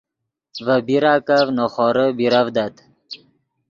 ڤے پیراکف نے خورے بیرڤدت